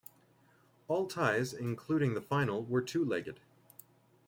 All ties, including the final, were two-legged.